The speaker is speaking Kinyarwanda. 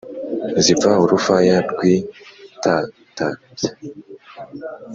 Zipfa urufaya rw'itatabya,